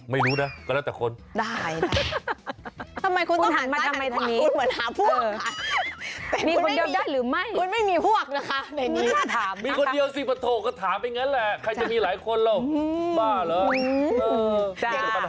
ไม่รู้นะก็แล้วแต่คนแต่มีคนเดียวสิปฐกก็ถามอย่างนั้นแหละใครจะมีหลายคนละบ้าหรอก